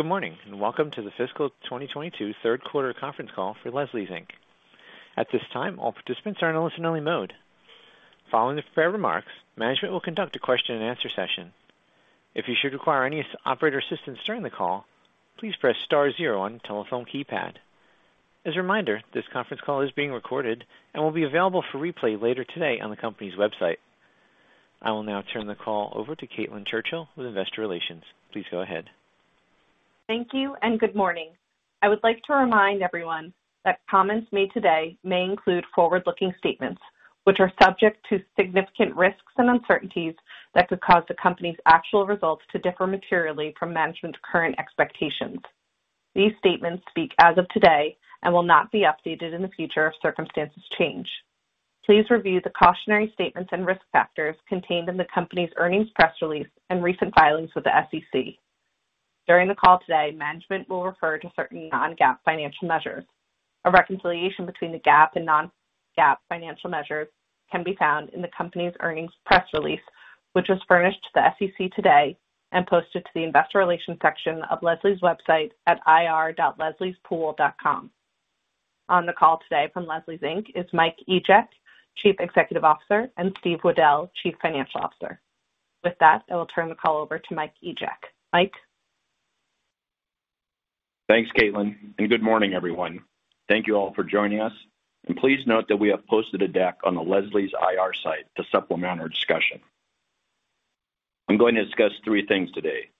Good morning, and welcome to the Fiscal 2022 Third Quarter Conference Call for Leslie's, Inc. At this time, all participants are in a listen-only mode. Following the prepared remarks, management will conduct a question-and-answer session. If you should require any operator assistance during the call, please press star 0 on telephone keypad. As a reminder, this conference call is being recorded and will be available for replay later today on the company's website. I will now turn the call over to Caitlin Churchill with Investor Relations. Please go ahead. Thank you, and good morning. I would like to remind everyone that comments made today may include forward-looking statements, which are subject to significant risks and uncertainties that could cause the company's actual results to differ materially from management's current expectations. These statements speak as of today and will not be updated in the future if circumstances change. Please review the cautionary statements and risk factors contained in the company's earnings press release and recent filings with the SEC. During the call today, management will refer to certain non-GAAP financial measures. A reconciliation between the GAAP and non-GAAP financial measures can be found in the company's earnings press release, which was furnished to the SEC today and posted to the investor relations section of Leslie's website at ir.lesliespool.com. On the call today from Leslie's, Inc. is Mike Egeck, Chief Executive Officer, and Steve Weddell, Chief Financial Officer. With that, I will turn the call over to Mike Egeck. Mike? Thanks, Caitlin, and good morning, everyone. Thank you all for joining us, and please note that we have posted a deck on the Leslie's IR site to supplement our discussion. I'm going to discuss three things today.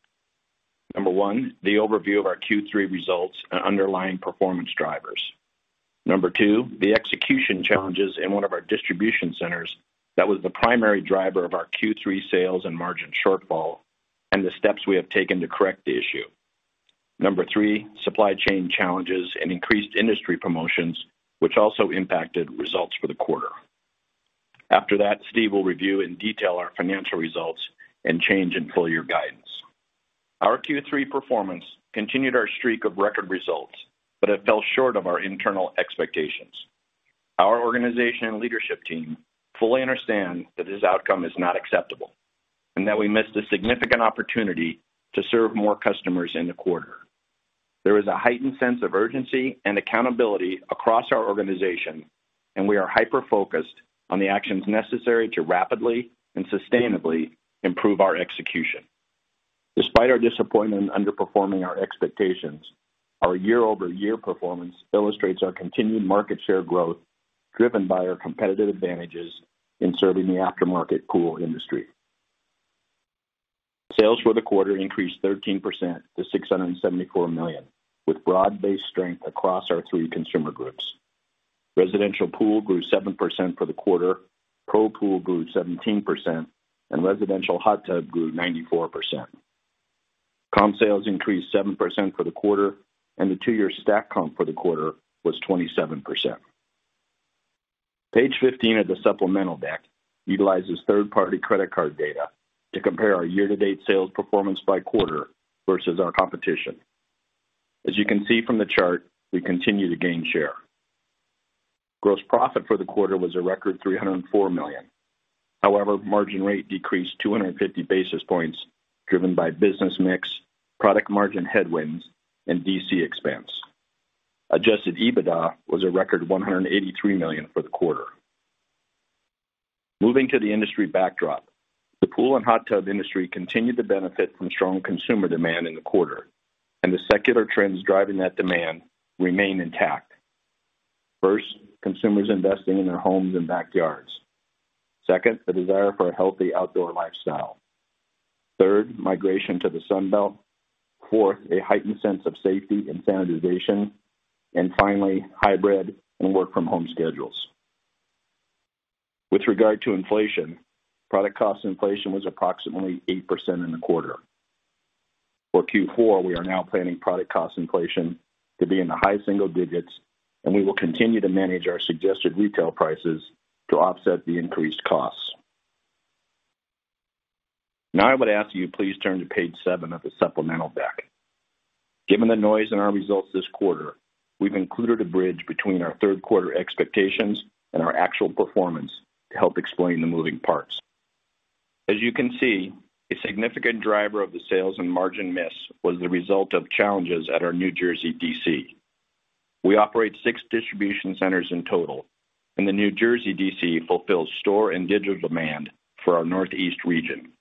Number one, the overview of our Q3 results and underlying performance drivers. Number two, the execution challenges in one of our distribution centers that was the primary driver of our Q3 sales and margin shortfall and the steps we have taken to correct the issue. Number three, supply chain challenges and increased industry promotions, which also impacted results for the quarter. After that, Steve will review in detail our financial results and change in full-year guidance. Our Q3 performance continued our streak of record results, but it fell short of our internal expectations. Our organization and leadership team fully understand that this outcome is not acceptable and that we missed a significant opportunity to serve more customers in the quarter. There is a heightened sense of urgency and accountability across our organization, and we are hyper-focused on the actions necessary to rapidly and sustainably improve our execution. Despite our disappointment in underperforming our expectations, our year-over-year performance illustrates our continued market share growth, driven by our competitive advantages in serving the aftermarket pool industry. Sales for the quarter increased 13% to $674 million, with broad-based strength across our three consumer groups. Residential pool grew 7% for the quarter, Pro pool grew 17%, and residential hot tub grew 94%. Comp sales increased 7% for the quarter, and the two-year stack comp for the quarter was 27%. Page 15 of the supplemental deck utilizes third-party credit card data to compare our year-to-date sales performance by quarter versus our competition. As you can see from the chart, we continue to gain share. Gross profit for the quarter was a record $304 million. However, margin rate decreased 250 basis points, driven by business mix, product margin headwinds, and DC. expense. Adjusted EBITDA was a record $183 million for the quarter. Moving to the industry backdrop, the pool and hot tub industry continued to benefit from strong consumer demand in the quarter, and the secular trends driving that demand remain intact. First, consumers investing in their homes and backyards. Second, the desire for a healthy outdoor lifestyle. Third, migration to the Sun Belt. Fourth, a heightened sense of safety and sanitization. Finally, hybrid and work-from-home schedules. With regard to inflation, product cost inflation was approximately 8% in the quarter. For Q4, we are now planning product cost inflation to be in the high single digits, and we will continue to manage our suggested retail prices to offset the increased costs. Now, I would ask you please turn to page 7 of the supplemental deck. Given the noise in our results this quarter, we've included a bridge between our third quarter expectations and our actual performance to help explain the moving parts. As you can see, a significant driver of the sales and margin miss was the result of challenges at our New Jersey DC. We operate six distribution centers in total, and the New Jersey DC. fulfills store and digital demand for our Northeast region.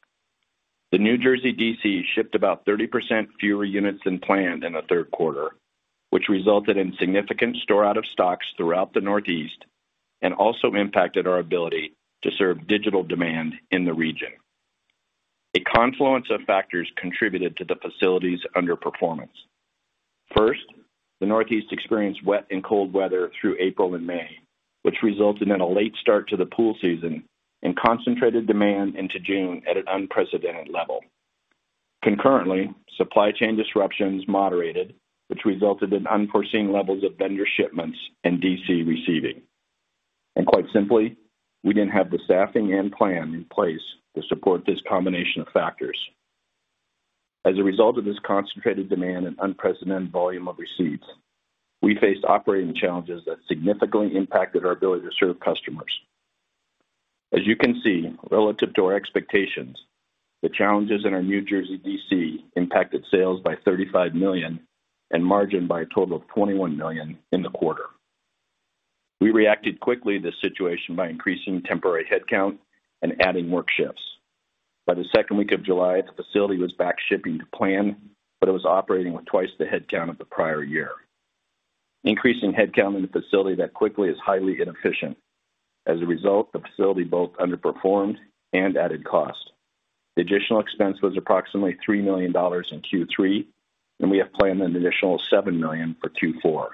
The New Jersey DC. shipped about 30% fewer units than planned in the third quarter, which resulted in significant store out of stocks throughout the Northeast and also impacted our ability to serve digital demand in the region. A confluence of factors contributed to the facility's underperformance. First, the Northeast experienced wet and cold weather through April and May, which resulted in a late start to the pool season and concentrated demand into June at an unprecedented level. Concurrently, supply chain disruptions moderated, which resulted in unforeseen levels of vendor shipments and DC. receiving. Quite simply, we didn't have the staffing and plan in place to support this combination of factors. As a result of this concentrated demand and unprecedented volume of receipts, we faced operating challenges that significantly impacted our ability to serve customers. As you can see, relative to our expectations, the challenges in our New Jersey DC. impacted sales by $35 million and margin by a total of $21 million in the quarter. We reacted quickly to the situation by increasing temporary headcount and adding work shifts. By the second week of July, the facility was back shipping to plan, but it was operating with twice the headcount of the prior year. Increasing headcount in the facility that quickly is highly inefficient. As a result, the facility both underperformed and added cost. The additional expense was approximately $3 million in Q3, and we have planned an additional $7 million for Q4.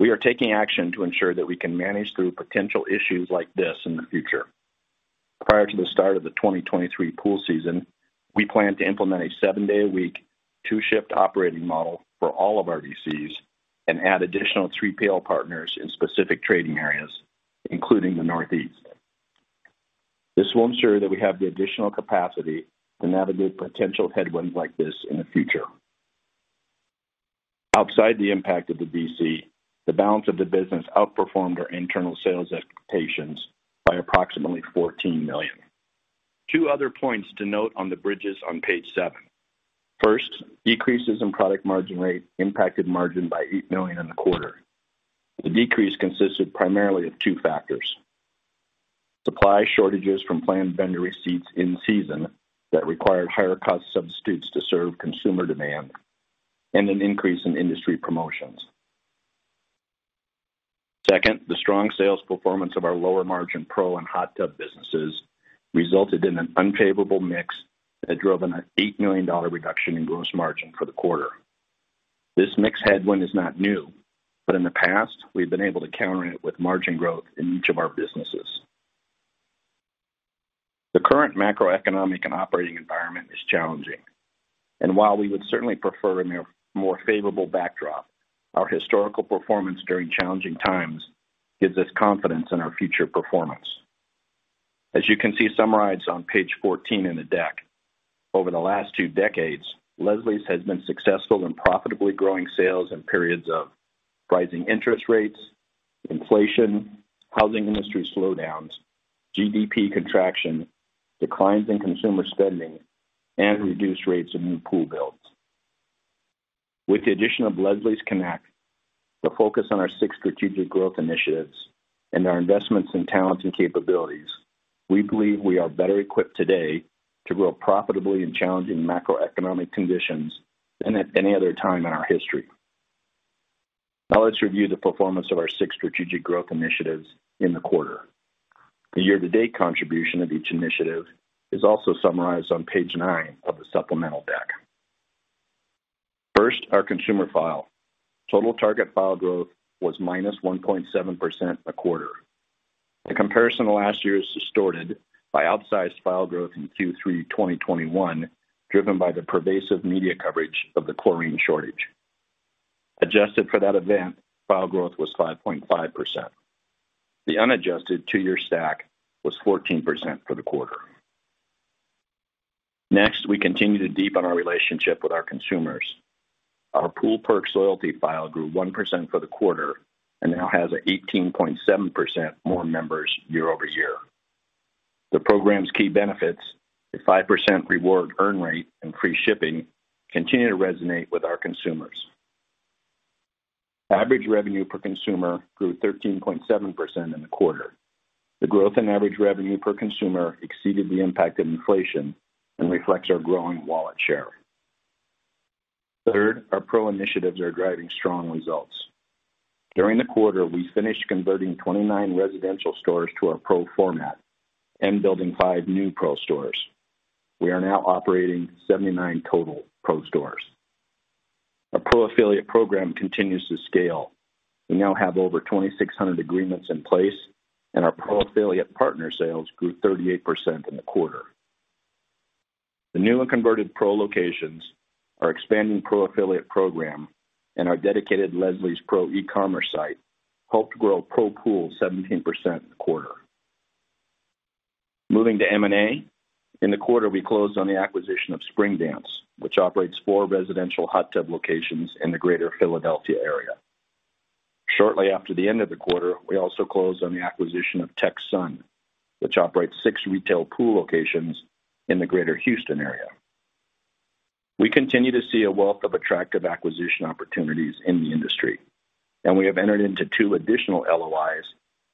We are taking action to ensure that we can manage through potential issues like this in the future. Prior to the start of the 2023 pool season, we plan to implement a seven-day-a-week, two-shift operating model for all of our DCs and add additional 3PL partners in specific trading areas, including the Northeast. This will ensure that we have the additional capacity to navigate potential headwinds like this in the future. Outside the impact of the DC, the balance of the business outperformed our internal sales expectations by approximately $14 million. Two other points to note on the bridges on page 7. First, decreases in product margin rate impacted margin by $8 million in the quarter. The decrease consisted primarily of two factors. Supply shortages from planned vendor receipts in season that required higher cost substitutes to serve consumer demand, and an increase in industry promotions. Second, the strong sales performance of our lower-margin Pro and hot tub businesses resulted in an unfavorable mix that drove an $8 million reduction in gross margin for the quarter. This mix headwind is not new, but in the past, we've been able to counter it with margin growth in each of our businesses. The current macroeconomic and operating environment is challenging, and while we would certainly prefer a more favorable backdrop, our historical performance during challenging times gives us confidence in our future performance. As you can see summarized on page 14 in the deck, over the last two decades, Leslie's has been successful in profitably growing sales in periods of rising interest rates, inflation, housing industry slowdowns, GDP contraction, declines in consumer spending, and reduced rates of new pool builds. With the addition of Leslie's Connect, the focus on our six strategic growth initiatives and our investments in talents and capabilities, we believe we are better equipped today to grow profitably in challenging macroeconomic conditions than at any other time in our history. Now let's review the performance of our six strategic growth initiatives in the quarter. The year-to-date contribution of each initiative is also summarized on page 9 of the supplemental deck. First, our consumer file. Total target file growth was -1.7% a quarter. The comparison to last year is distorted by outsized file growth in Q3 2021, driven by the pervasive media coverage of the chlorine shortage. Adjusted for that event, file growth was 5.5%. The unadjusted two-year stack was 14% for the quarter. Next, we continue to deepen our relationship with our consumers. Our Pool Perks loyalty file grew 1% for the quarter and now has 18.7% more members year-over-year. The program's key benefits, the 5% reward earn rate and free shipping, continue to resonate with our consumers. Average revenue per consumer grew 13.7% in the quarter. The growth in average revenue per consumer exceeded the impact of inflation and reflects our growing wallet share. Third, our Pro initiatives are driving strong results. During the quarter, we finished converting 29 residential stores to our Pro format and building five new Pro stores. We are now operating 79 total Pro stores. Our Pro affiliate program continues to scale. We now have over 2,600 agreements in place, and our Pro affiliate partner sales grew 38% in the quarter. The new and converted Pro locations, our expanding Pro affiliate program, and our dedicated Leslie's Pro e-commerce site helped grow Pro pool 17% in the quarter. Moving to M&A. In the quarter, we closed on the acquisition of Spring Dance, which operates four residential hot tub locations in the Greater Philadelphia area. Shortly after the end of the quarter, we also closed on the acquisition of Texsun, which operates six retail pool locations in the Greater Houston area. We continue to see a wealth of attractive acquisition opportunities in the industry, and we have entered into two additional LOIs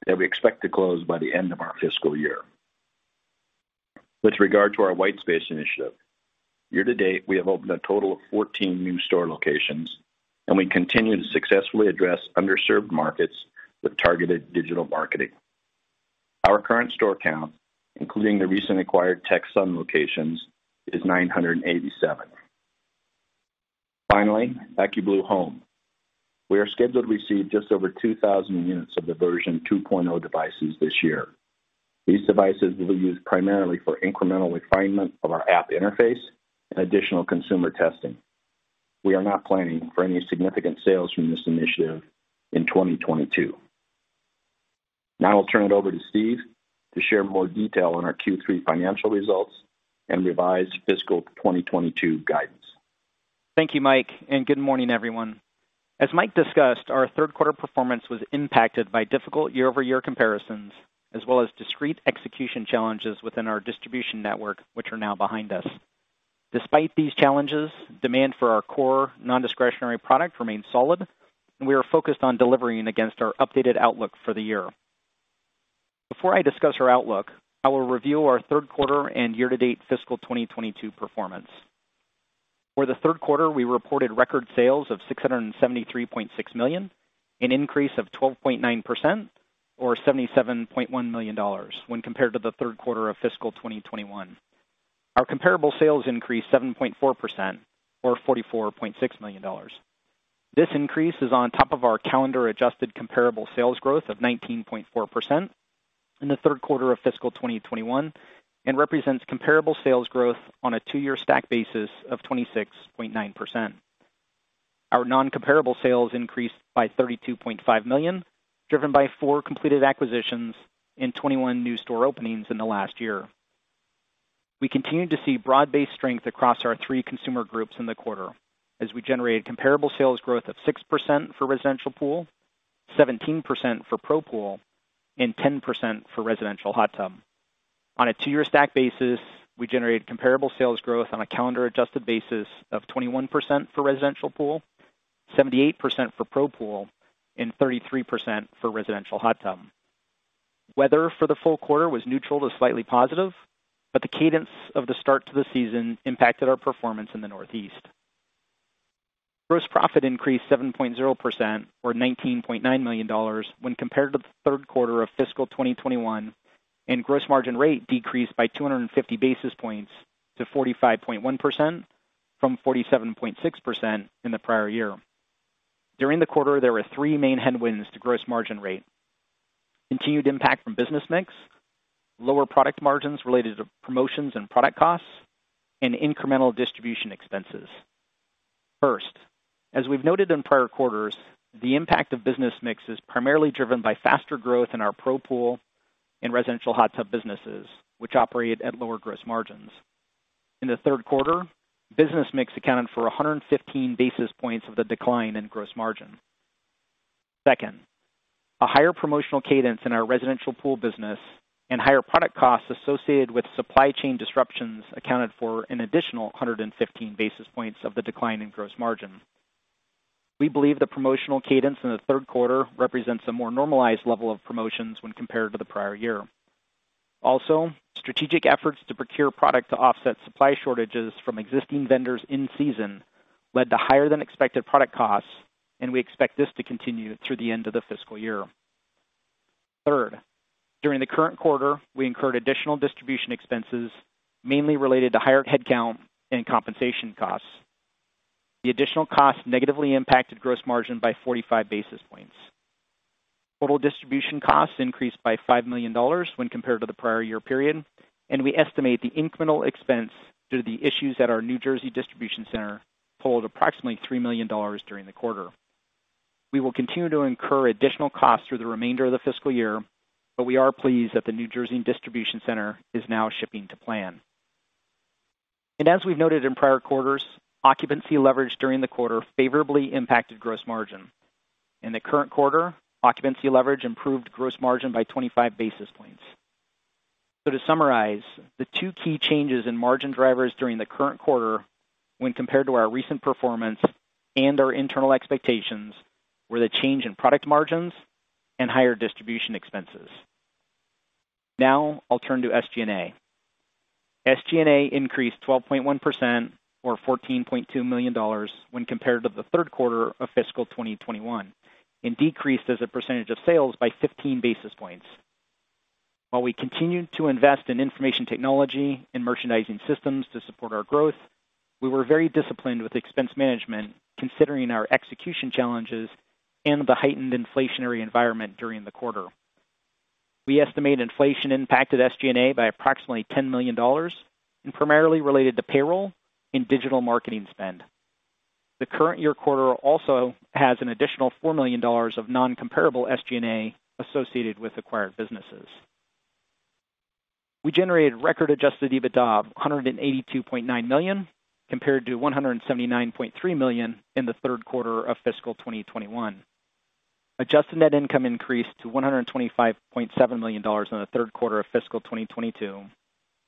that we expect to close by the end of our fiscal year. With regard to our white space initiative, year to date, we have opened a total of 14 new store locations, and we continue to successfully address underserved markets with targeted digital marketing. Our current store count, including the recent acquired Texsun locations, is 987. Finally, AccuBlue Home. We are scheduled to receive just over 2,000 units of the version 2.0 devices this year. These devices will be used primarily for incremental refinement of our app interface and additional consumer testing. We are not planning for any significant sales from this initiative in 2022. Now I'll turn it over to Steve to share more detail on our Q3 financial results and revised fiscal 2022 guidance. Thank you, Mike, and good morning, everyone. As Mike discussed, our third quarter performance was impacted by difficult year-over-year comparisons, as well as discrete execution challenges within our distribution network, which are now behind us. Despite these challenges, demand for our core non-discretionary product remains solid, and we are focused on delivering against our updated outlook for the year. Before I discuss our outlook, I will review our third quarter and year-to-date fiscal 2022 performance. For the third quarter, we reported record sales of $673.6 million, an increase of 12.9% or $77.1 million when compared to the third quarter of fiscal 2021. Our comparable sales increased 7.4% or $44.6 million. This increase is on top of our calendar-adjusted comparable sales growth of 19.4% in the third quarter of fiscal 2021 and represents comparable sales growth on a two-year stack basis of 26.9%. Our non-comparable sales increased by $32.5 million, driven by four completed acquisitions and 21 new store openings in the last year. We continued to see broad-based strength across our three consumer groups in the quarter as we generated comparable sales growth of 6% for residential pool, 17% for Pro pool, and 10% for residential hot tub. On a two-year stack basis, we generated comparable sales growth on a calendar adjusted basis of 21% for residential pool, 78% for Pro pool, and 33% for residential hot tub. Weather for the full quarter was neutral to slightly positive, but the cadence of the start to the season impacted our performance in the Northeast. Gross profit increased 7.0% or $19.9 million when compared to the third quarter of fiscal 2021, and gross margin rate decreased by 250 basis points to 45.1% from 47.6% in the prior year. During the quarter, there were three main headwinds to gross margin rate: continued impact from business mix, lower product margins related to promotions and product costs, and incremental distribution expenses. First, as we've noted in prior quarters, the impact of business mix is primarily driven by faster growth in our Pro pool and residential hot tub businesses, which operate at lower gross margins. In the third quarter, business mix accounted for 115 basis points of the decline in gross margin. Second, a higher promotional cadence in our residential pool business and higher product costs associated with supply chain disruptions accounted for an additional 115 basis points of the decline in gross margin. We believe the promotional cadence in the third quarter represents a more normalized level of promotions when compared to the prior year. Also, strategic efforts to procure product to offset supply shortages from existing vendors in season led to higher than expected product costs, and we expect this to continue through the end of the fiscal year. Third, during the current quarter, we incurred additional distribution expenses, mainly related to higher headcount and compensation costs. The additional cost negatively impacted gross margin by 45 basis points. Total distribution costs increased by $5 million when compared to the prior year period, and we estimate the incremental expense due to the issues at our New Jersey distribution center totaled approximately $3 million during the quarter. We will continue to incur additional costs through the remainder of the fiscal year, but we are pleased that the New Jersey distribution center is now shipping to plan. As we've noted in prior quarters, occupancy leverage during the quarter favorably impacted gross margin. In the current quarter, occupancy leverage improved gross margin by 25 basis points. To summarize, the two key changes in margin drivers during the current quarter when compared to our recent performance and our internal expectations were the change in product margins and higher distribution expenses. Now I'll turn to SG&A. SG&A increased 12.1% or $14.2 million when compared to the third quarter of fiscal 2021, and decreased as a percentage of sales by 15 basis points. While we continued to invest in information technology and merchandising systems to support our growth, we were very disciplined with expense management considering our execution challenges and the heightened inflationary environment during the quarter. We estimate inflation impacted SG&A by approximately $10 million and primarily related to payroll and digital marketing spend. The current year quarter also has an additional $4 million of non-comparable SG&A associated with acquired businesses. We generated record Adjusted EBITDA of $182.9 million, compared to $179.3 million in the third quarter of fiscal 2021. Adjusted net income increased to $125.7 million in the third quarter of fiscal 2022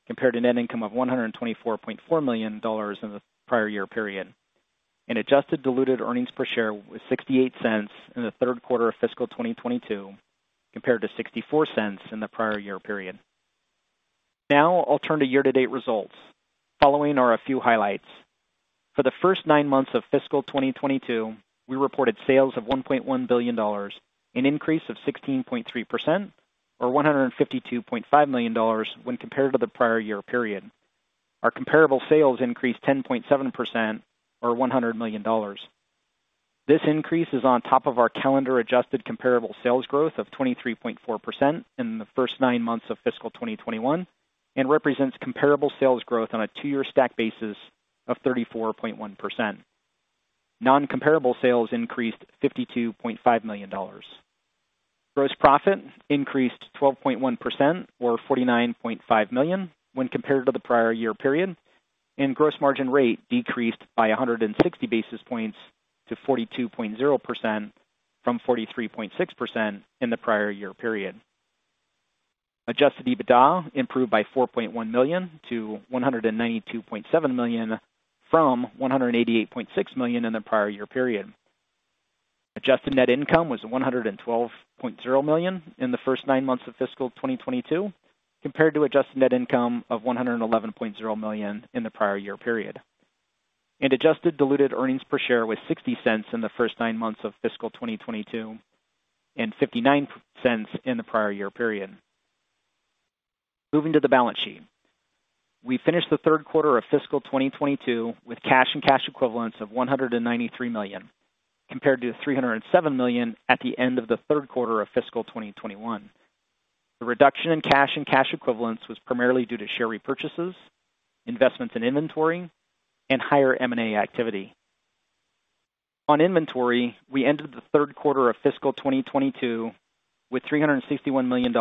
compared to net income of $124.4 million in the prior year period. Adjusted diluted earnings per share was $0.68 in the third quarter of fiscal 2022 compared to $0.64 in the prior year period. Now I'll turn to year-to-date results. Following are a few highlights. For the first nine months of fiscal 2022, we reported sales of $1.1 billion, an increase of 16.3% or $152.5 million when compared to the prior year period. Our comparable sales increased 10.7% or $100 million. This increase is on top of our calendar-adjusted comparable sales growth of 23.4% in the first nine months of fiscal 2021, and represents comparable sales growth on a two-year stack basis of 34.1%. Non-comparable sales increased $52.5 million. Gross profit increased 12.1% or $49.5 million when compared to the prior year period, and gross margin rate decreased by 160 basis points to 42.0% from 43.6% in the prior year period. Adjusted EBITDA improved by $4.1 million to $192.7 million from $188.6 million in the prior year period. Adjusted net income was $112.0 million in the first nine months of fiscal 2022 compared to adjusted net income of $111.0 million in the prior year period. Adjusted diluted earnings per share was $0.60 in the first nine months of fiscal 2022, and $0.59 in the prior year period. Moving to the balance sheet. We finished the third quarter of fiscal 2022 with cash and cash equivalents of $193 million, compared to $307 million at the end of the third quarter of fiscal 2021. The reduction in cash and cash equivalents was primarily due to share repurchases, investments in inventory, and higher M&A activity. On inventory, we ended the third quarter of fiscal 2022 with $361 million,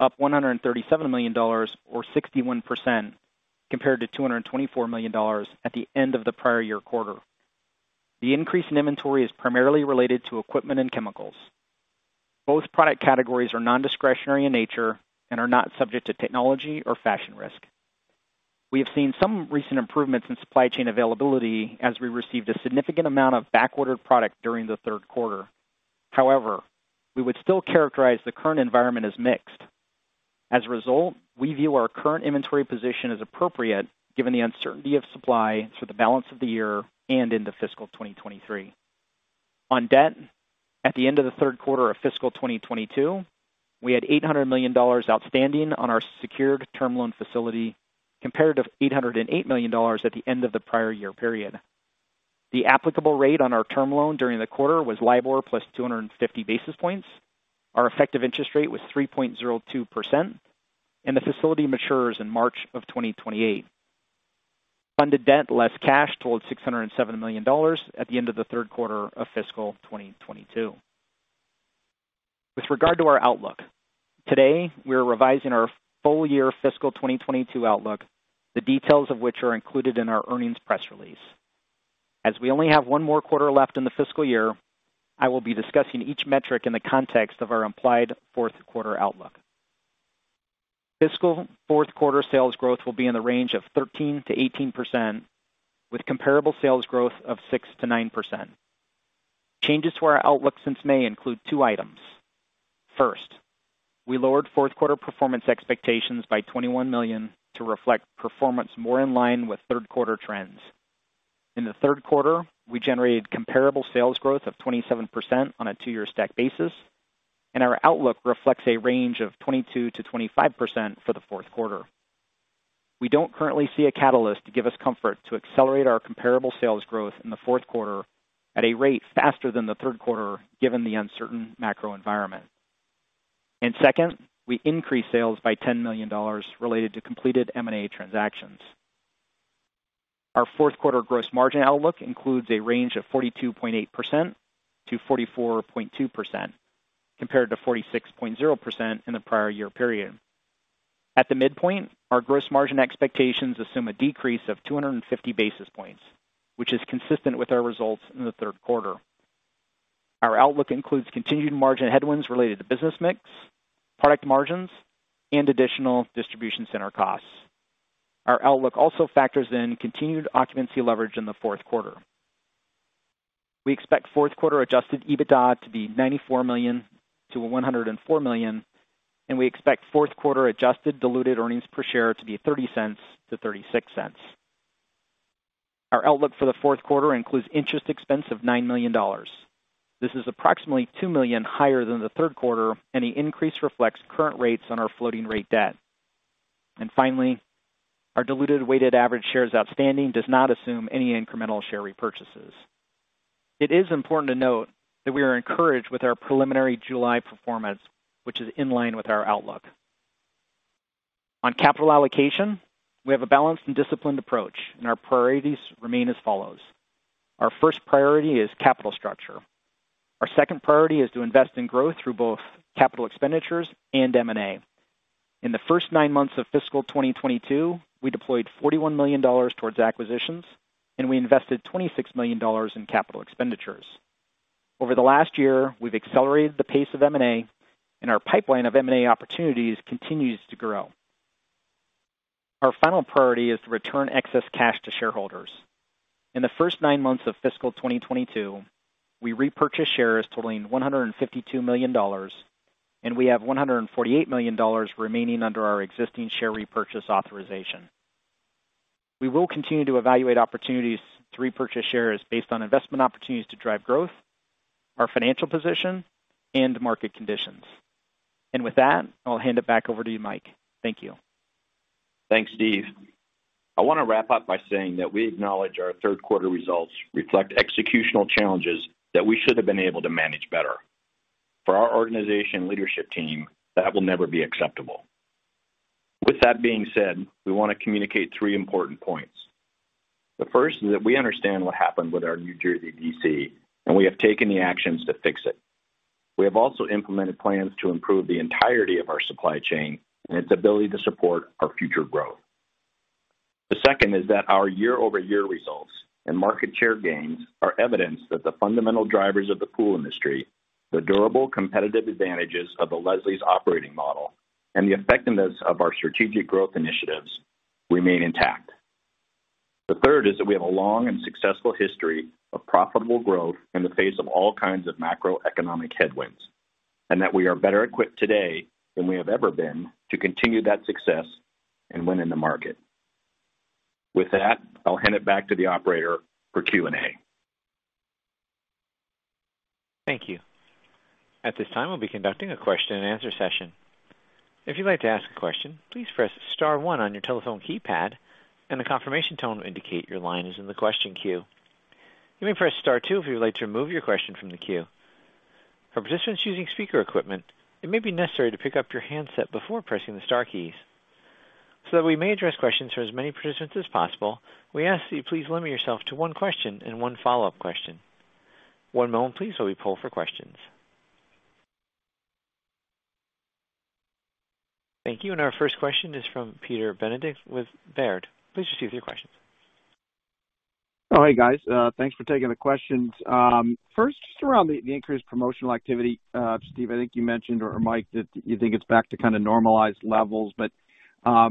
up $137 million or 61% compared to $224 million at the end of the prior year quarter. The increase in inventory is primarily related to equipment and chemicals. Both product categories are non-discretionary in nature and are not subject to technology or fashion risk. We have seen some recent improvements in supply chain availability as we received a significant amount of back-ordered product during the third quarter. However, we would still characterize the current environment as mixed. As a result, we view our current inventory position as appropriate given the uncertainty of supply through the balance of the year and into fiscal 2023. On debt, at the end of the third quarter of fiscal 2022, we had $800 million outstanding on our secured term loan facility, compared to $808 million at the end of the prior year period. The applicable rate on our term loan during the quarter was LIBOR plus 250 basis points. Our effective interest rate was 3.02%, and the facility matures in March of 2028. Funded debt less cash totaled $607 million at the end of the third quarter of fiscal 2022. With regard to our outlook, today, we are revising our full-year fiscal 2022 outlook, the details of which are included in our earnings press release. As we only have one more quarter left in the fiscal year, I will be discussing each metric in the context of our implied fourth quarter outlook. Fiscal fourth quarter sales growth will be in the range of 13%-18%, with comparable sales growth of 6%-9%. Changes to our outlook since May include two items. First, we lowered fourth quarter performance expectations by $21 million to reflect performance more in line with third quarter trends. In the third quarter, we generated comparable sales growth of 27% on a two-year stack basis, and our outlook reflects a range of 22%-25% for the fourth quarter. We don't currently see a catalyst to give us comfort to accelerate our comparable sales growth in the fourth quarter at a rate faster than the third quarter given the uncertain macro environment. Second, we increased sales by $10 million related to completed M&A transactions. Our fourth quarter gross margin outlook includes a range of 42.8%-44.2%, compared to 46.0% in the prior year period. At the midpoint, our gross margin expectations assume a decrease of 250 basis points, which is consistent with our results in the third quarter. Our outlook includes continued margin headwinds related to business mix, product margins, and additional distribution center costs. Our outlook also factors in continued occupancy leverage in the fourth quarter. We expect fourth quarter Adjusted EBITDA to be $94 million-$104 million, and we expect fourth quarter adjusted diluted earnings per share to be $0.30-$0.36. Our outlook for the fourth quarter includes interest expense of $9 million. This is approximately $2 million higher than the third quarter, and the increase reflects current rates on our floating rate debt. Finally, our diluted weighted average shares outstanding does not assume any incremental share repurchases. It is important to note that we are encouraged with our preliminary July performance, which is in line with our outlook. On capital allocation, we have a balanced and disciplined approach, and our priorities remain as follows. Our first priority is capital structure. Our second priority is to invest in growth through both capital expenditures and M&A. In the first nine months of fiscal 2022, we deployed $41 million towards acquisitions, and we invested $26 million in capital expenditures. Over the last year, we've accelerated the pace of M&A, and our pipeline of M&A opportunities continues to grow. Our final priority is to return excess cash to shareholders. In the first nine months of fiscal 2022, we repurchased shares totaling $152 million, and we have $148 million remaining under our existing share repurchase authorization. We will continue to evaluate opportunities to repurchase shares based on investment opportunities to drive growth, our financial position, and market conditions. With that, I'll hand it back over to you, Mike. Thank you. Thanks, Steve. I wanna wrap up by saying that we acknowledge our third quarter results reflect executional challenges that we should have been able to manage better. For our organization leadership team, that will never be acceptable. With that being said, we want to communicate three important points. The first is that we understand what happened with our New Jersey DC. and we have taken the actions to fix it. We have also implemented plans to improve the entirety of our supply chain and its ability to support our future growth. The second is that our year-over-year results and market share gains are evidence that the fundamental drivers of the pool industry, the durable competitive advantages of the Leslie's operating model, and the effectiveness of our strategic growth initiatives remain intact. The third is that we have a long and successful history of profitable growth in the face of all kinds of macroeconomic headwinds, and that we are better equipped today than we have ever been to continue that success and win in the market. With that, I'll hand it back to the operator for Q&A. Thank you. At this time, we'll be conducting a question-and-answer session. If you'd like to ask a question, please press star 1 on your telephone keypad and a confirmation tone will indicate your line is in the question queue. You may press star 2 if you would like to remove your question from the queue. For participants using speaker equipment, it may be necessary to pick up your handset before pressing the star keys. So that we may address questions for as many participants as possible, we ask that you please limit yourself to one question and one follow-up question. One moment please, while we poll for questions. Thank you. Our first question is from Peter Benedict with Baird. Please proceed with your question. Oh, hey, guys, thanks for taking the questions. First, just around the increased promotional activity, Steve, I think you mentioned, or Mike, that you think it's back to kind of normalized levels. How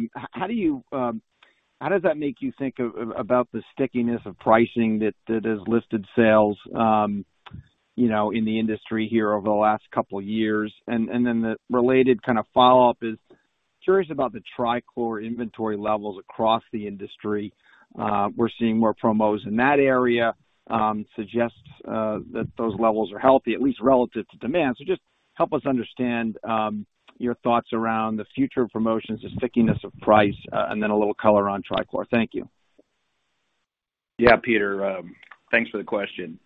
does that make you think about the stickiness of pricing that has lifted sales, you know, in the industry here over the last couple of years? Then the related kind of follow-up is curious about the trichlor inventory levels across the industry. We're seeing more promos in that area, suggests that those levels are healthy, at least relative to demand. Just help us understand your thoughts around the future of promotions, the stickiness of price, and then a little color on trichlor. Thank you. Yeah, Peter, thanks for the question.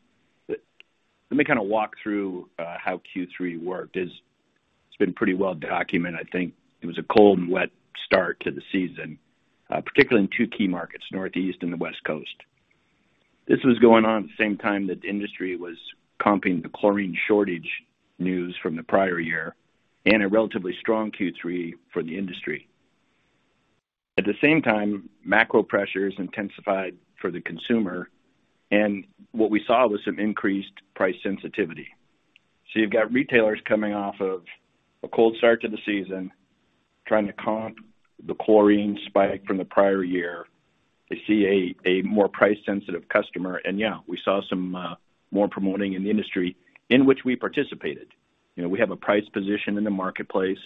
Let me kind of walk through how Q3 worked. It's been pretty well documented. I think it was a cold and wet start to the season, particularly in two key markets, Northeast and the West Coast. This was going on at the same time that the industry was comping the chlorine shortage news from the prior year and a relatively strong Q3 for the industry. At the same time, macro pressures intensified for the consumer, and what we saw was some increased price sensitivity. You've got retailers coming off of a cold start to the season, trying to comp the chlorine spike from the prior year. They see a more price sensitive customer. Yeah, we saw some more promoting in the industry in which we participated. You know, we have a price position in the marketplace,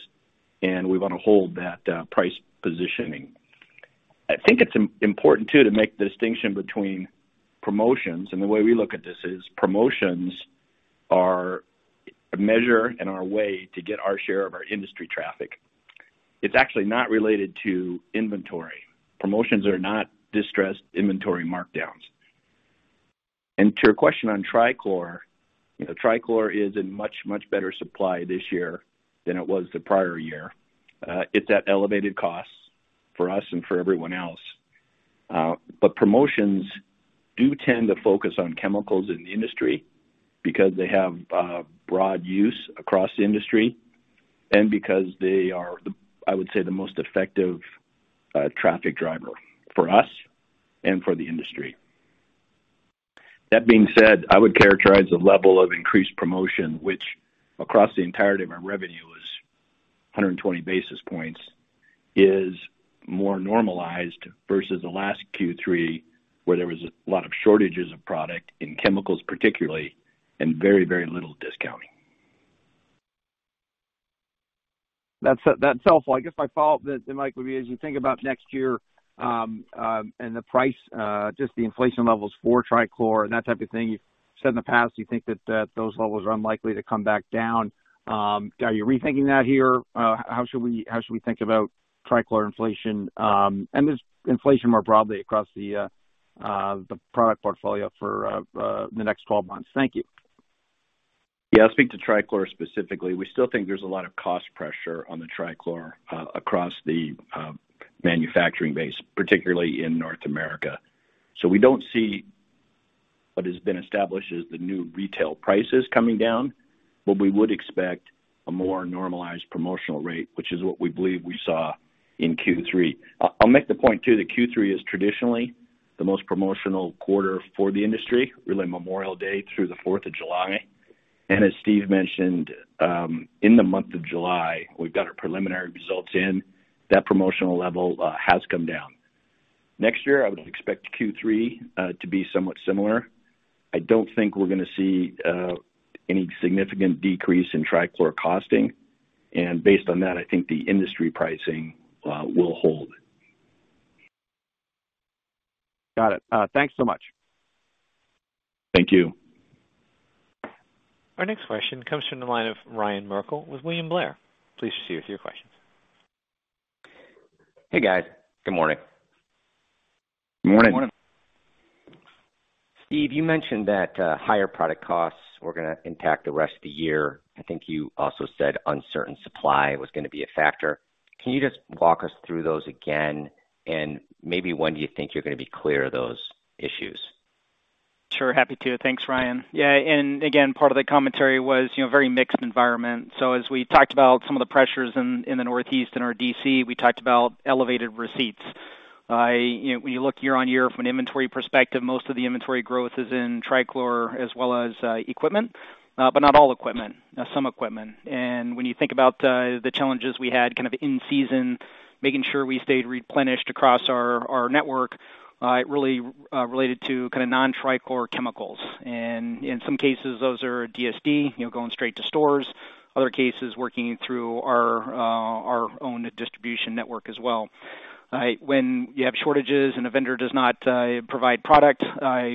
and we want to hold that, price positioning. I think it's important too, to make the distinction between promotions, and the way we look at this is promotions are a measure and our way to get our share of our industry traffic. It's actually not related to inventory. Promotions are not distressed inventory markdowns. To your question on trichlor. You know, trichlor is in much, much better supply this year than it was the prior year. It's at elevated costs for us and for everyone else. But promotions do tend to focus on chemicals in the industry because they have, broad use across the industry and because they are, I would say, the most effective, traffic driver for us and for the industry. That being said, I would characterize the level of increased promotion, which across the entirety of our revenue is 120 basis points, is more normalized versus the last Q3, where there was a lot of shortages of product in chemicals particularly, and very, very little discounting. That's helpful. I guess my follow-up then, Mike, would be, as you think about next year, and the price, just the inflation levels for trichlor and that type of thing. You've said in the past, you think that those levels are unlikely to come back down. Are you rethinking that here? How should we think about trichlor inflation, and just inflation more broadly across the product portfolio for the next 12 months? Thank you. Yeah, I'll speak to trichlor specifically. We still think there's a lot of cost pressure on the trichlor across the manufacturing base, particularly in North America. We don't see what has been established as the new retail prices coming down, but we would expect a more normalized promotional rate, which is what we believe we saw in Q3. I'll make the point, too, that Q3 is traditionally the most promotional quarter for the industry, really Memorial Day through the Fourth of July. As Steve mentioned, in the month of July, we've got our preliminary results in, that promotional level has come down. Next year, I would expect Q3 to be somewhat similar. I don't think we're gonna see any significant decrease in trichlor costing. Based on that, I think the industry pricing will hold. Got it. Thanks so much. Thank you. Our next question comes from the line of Ryan Merkel with William Blair. Please proceed with your question. Hey, guys. Good morning. Morning. Steve, you mentioned that higher product costs were gonna impact the rest of the year. I think you also said uncertain supply was gonna be a factor. Can you just walk us through those again, and maybe when do you think you're gonna be clear of those issues? Sure. Happy to. Thanks, Ryan. Yeah, and again, part of the commentary was, you know, very mixed environment. As we talked about some of the pressures in the Northeast and our DC, we talked about elevated receipts. You know, when you look year-over-year from an inventory perspective, most of the inventory growth is in trichlor as well as equipment, but not all equipment, some equipment. When you think about the challenges we had kind of in season, making sure we stayed replenished across our network, it really related to kinda non-trichlor chemicals. In some cases, those are DSD, you know, going straight to stores. Other cases working through our own distribution network as well. When you have shortages and a vendor does not provide product,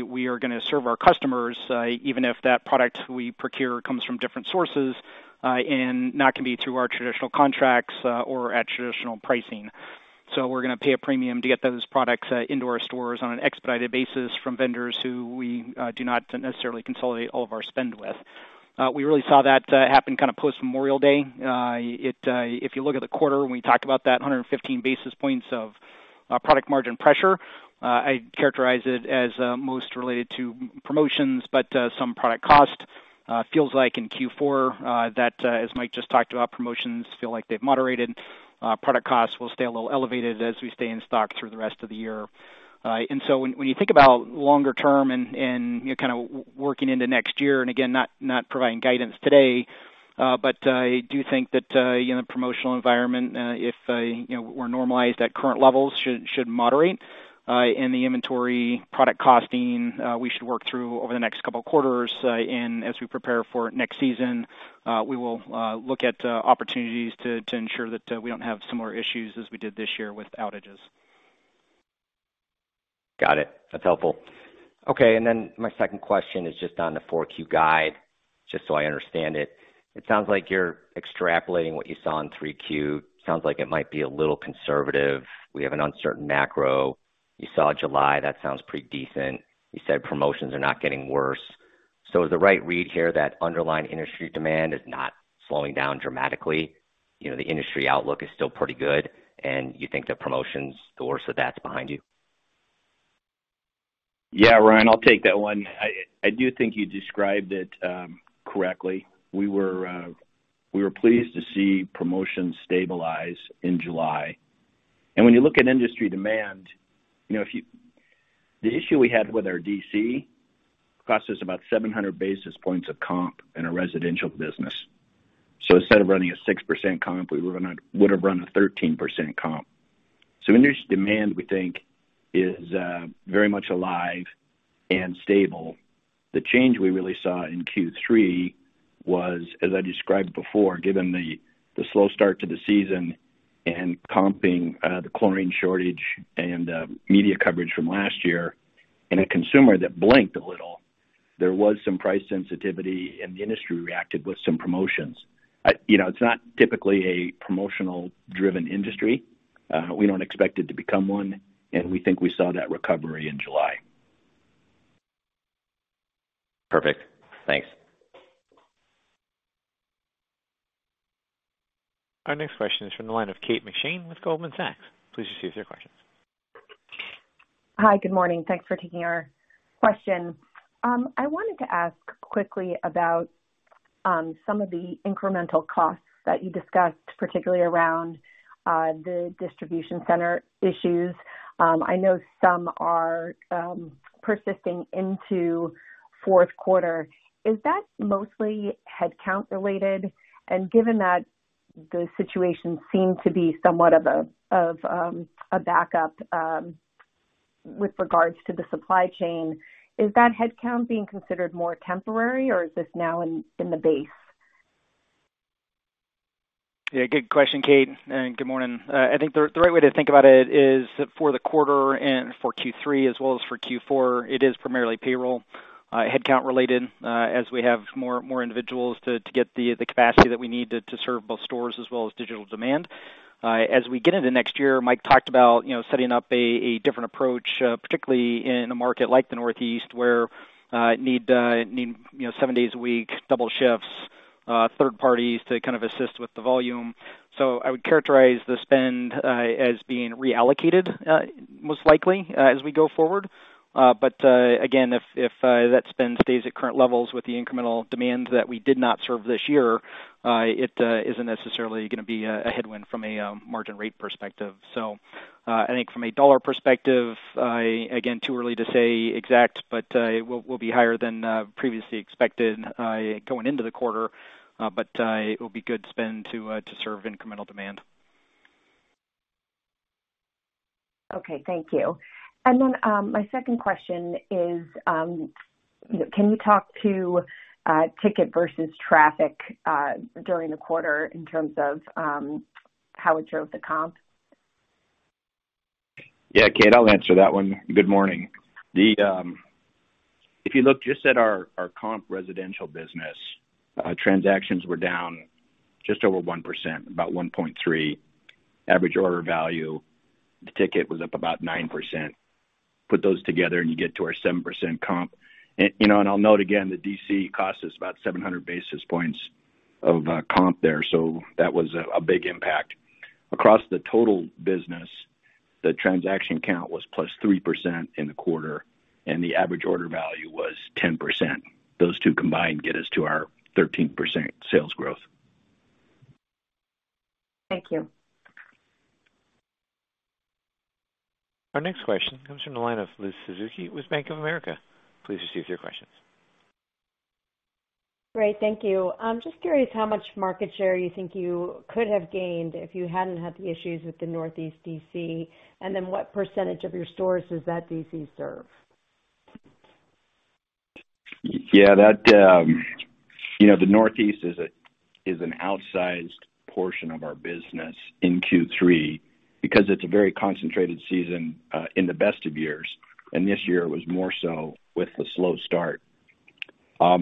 we are gonna serve our customers, even if that product we procure comes from different sources, and not gonna be through our traditional contracts, or at traditional pricing. We're gonna pay a premium to get those products into our stores on an expedited basis from vendors who we do not necessarily consolidate all of our spend with. We really saw that happen kind of post Memorial Day. If you look at the quarter, when we talked about that 115 basis points of product margin pressure, I characterize it as most related to our promotions, but some product cost feels like in Q4, that as Mike just talked about, promotions feel like they've moderated. Product costs will stay a little elevated as we stay in stock through the rest of the year. When you think about longer term and you're kind of working into next year, and again, not providing guidance today, but I do think that you know, promotional environment, if you know were normalized at current levels should moderate, and the inventory product costing we should work through over the next couple of quarters. As we prepare for next season, we will look at opportunities to ensure that we don't have similar issues as we did this year with outages. Got it. That's helpful. Okay. My second question is just on the Q4 guide, just so I understand it. It sounds like you're extrapolating what you saw in Q3. Sounds like it might be a little conservative. We have an uncertain macro. You saw July. That sounds pretty decent. You said promotions are not getting worse. Is the right read here that underlying industry demand is not slowing down dramatically? You know, the industry outlook is still pretty good, and you think that promotions, the worst of that's behind you. Yeah, Ryan, I'll take that one. I do think you described it correctly. We were pleased to see promotions stabilize in July. When you look at industry demand, you know, the issue we had with our DC cost us about 700 basis points of comp in a residential business. Instead of running a 6% comp, we would have run a 13% comp. Industry demand, we think, is very much alive and stable. The change we really saw in Q3 was, as I described before, given the slow start to the season and comping the chlorine shortage and media coverage from last year and a consumer that blinked a little, there was some price sensitivity, and the industry reacted with some promotions. You know, it's not typically a promotional driven industry. We don't expect it to become one, and we think we saw that recovery in July. Perfect. Thanks. Our next question is from the line of Kate McShane with Goldman Sachs. Please proceed with your questions. Hi. Good morning. Thanks for taking our question. I wanted to ask quickly about some of the incremental costs that you discussed, particularly around the distribution center issues. I know some are persisting into fourth quarter. Is that mostly headcount related? Given that the situation seemed to be somewhat of a backup with regards to the supply chain, is that headcount being considered more temporary, or is this now in the base? Yeah, good question, Kate McShane, and good morning. I think the right way to think about it is for the quarter and for Q3 as well as for Q4, it is primarily payroll headcount related as we have more individuals to get the capacity that we need to serve both stores as well as digital demand. As we get into next year, Mike Egeck talked about you know setting up a different approach particularly in a market like the Northeast, where we need you know seven days a week, double shifts, third parties to kind of assist with the volume. I would characterize the spend as being reallocated most likely as we go forward. Again, if that spend stays at current levels with the incremental demand that we did not serve this year, it isn't necessarily gonna be a headwind from a margin rate perspective. I think from a dollar perspective, again, too early to say exactly, but will be higher than previously expected, going into the quarter. It will be good spend to serve incremental demand. Okay. Thank you. My second question is, can you talk to ticket versus traffic during the quarter in terms of how it drove the comp? Yeah, Kate, I'll answer that one. Good morning. If you look just at our comp residential business, transactions were down just over 1%, about 1.3. Average order value, the ticket was up about 9%. Put those together, and you get to our 7% comp. You know, and I'll note again, the DC cost is about 700 basis points of comp there. That was a big impact. Across the total business, the transaction count was +3% in the quarter, and the average order value was 10%. Those two combined get us to our 13% sales growth. Thank you. Our next question comes from the line of Liz Suzuki with Bank of America. Please proceed with your questions. Great. Thank you. I'm just curious how much market share you think you could have gained if you hadn't had the issues with the Northeast DC, and then what percentage of your stores does that DC serve? Yeah, that, you know, the Northeast is an outsized portion of our business in Q3 because it's a very concentrated season in the best of years. This year it was more so with the slow start. I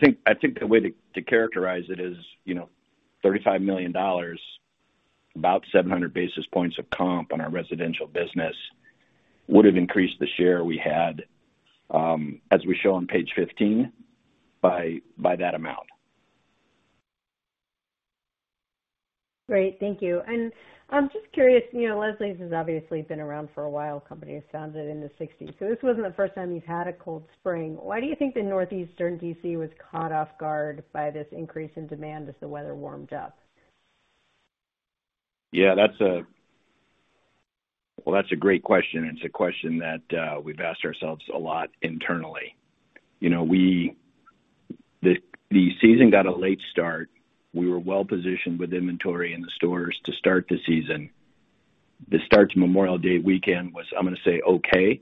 think the way to characterize it is, you know, $35 million, about 700 basis points of comp on our residential business would have increased the share we had, as we show on page 15, by that amount. Great. Thank you. I'm just curious, you know, Leslie's has obviously been around for a while, company was founded in the '60s, so this wasn't the first time you've had a cold spring. Why do you think the Northeast and DC was caught off guard by this increase in demand as the weather warmed up? Yeah, that's a great question. Well, that's a great question. It's a question that we've asked ourselves a lot internally. You know, the season got a late start. We were well positioned with inventory in the stores to start the season. The start to Memorial Day weekend was, I'm gonna say, okay,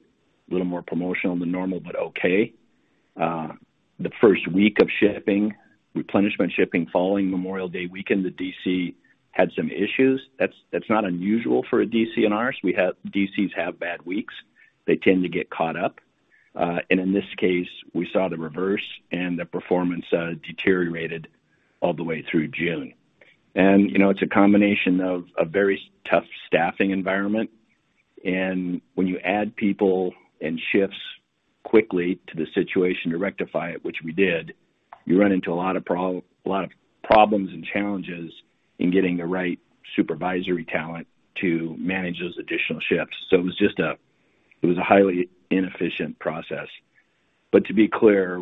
a little more promotional than normal, but okay. The first week of shipping, replenishment shipping following Memorial Day weekend, the DC had some issues. That's not unusual for a DC in ours. We have DCs have bad weeks. They tend to get caught up. In this case, we saw the reverse, and the performance deteriorated all the way through June. You know, it's a combination of a very tough staffing environment. When you add people and shifts quickly to the situation to rectify it, which we did, you run into a lot of problems and challenges in getting the right supervisory talent to manage those additional shifts. It was just a highly inefficient process. To be clear,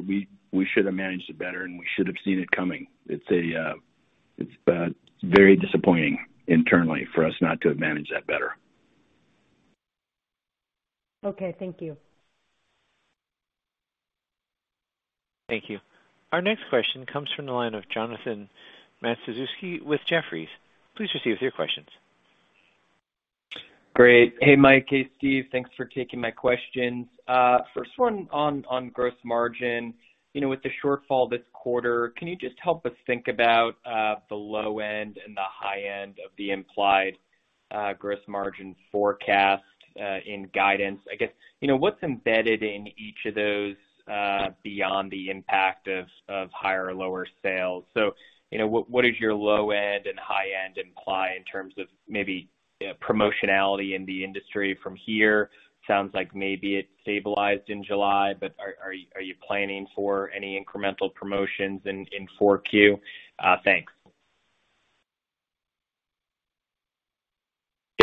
we should have managed it better, and we should have seen it coming. It's very disappointing internally for us not to have managed that better. Okay. Thank you. Thank you. Our next question comes from the line of Jonathan Matuszewski with Jefferies. Please proceed with your questions. Great. Hey, Mike. Hey, Steve. Thanks for taking my questions. First one on gross margin. You know, with the shortfall this quarter, can you just help us think about the low end and the high end of the implied gross margin forecast in guidance? I guess, you know, what's embedded in each of those beyond the impact of higher or lower sales? You know, what is your low end and high end imply in terms of maybe, you know, promotionality in the industry from here? Sounds like maybe it stabilized in July, but are you planning for any incremental promotions in Q4? Thanks.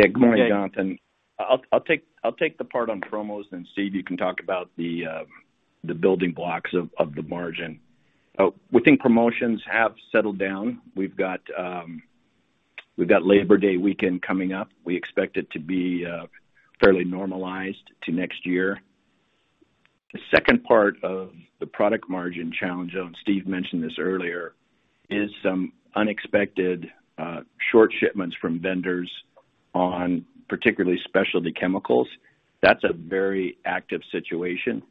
Yeah. Good morning, Jonathan. I'll take the part on promos, and Steve, you can talk about the building blocks of the margin. We think promotions have settled down. We've got Labor Day weekend coming up. We expect it to be fairly normalized to next year. The second part of the product margin challenge, and Steve mentioned this earlier, is some unexpected short shipments from vendors on particularly specialty chemicals. That's a very active situation.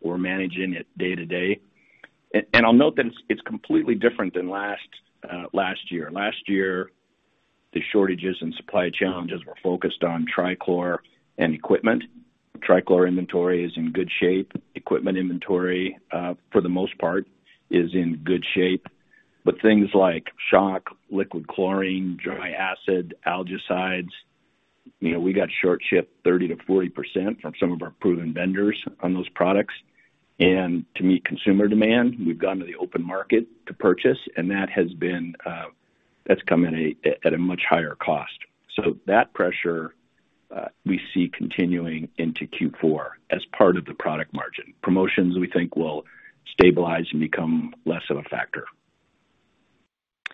We're managing it day-to-day. I'll note that it's completely different than last year. Last year, the shortages and supply challenges were focused on trichlor and equipment. Trichlor inventory is in good shape. Equipment inventory, for the most part, is in good shape. Things like shock, liquid chlorine, dry acid, algaecides, you know, we got short shipped 30%-40% from some of our proven vendors on those products. To meet consumer demand, we've gone to the open market to purchase, and that has been, that's come at a much higher cost. That pressure, we see continuing into Q4 as part of the product margin. Promotions, we think will stabilize and become less of a factor.